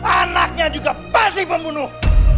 anaknya juga pasti pembunuh